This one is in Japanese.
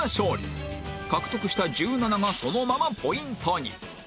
獲得した１７がそのままポイントに